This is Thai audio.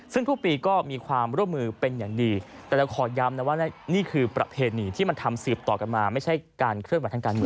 ซึ่งทุกปีก็มีความร่วมมือเป็นอย่างดีแต่เราขอย้ำนะว่านี่คือประเพณีที่มันทำสืบต่อกันมาไม่ใช่การเคลื่อนไหวทางการเมือง